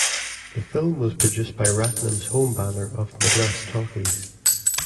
The film was produced by Ratnam's home banner of Madras Talkies.